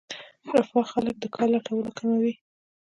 رفاه خلک د کار لټولو کموي.